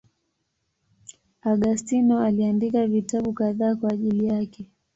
Augustino aliandika vitabu kadhaa kwa ajili yake.